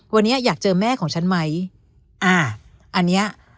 วันนี้อยากเจอแม่ของฉันไหมอ่าอันเนี้ย